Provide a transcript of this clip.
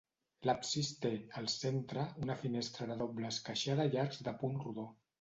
L'absis té, al centre, una finestra de doble esqueixada i arcs de punt rodó.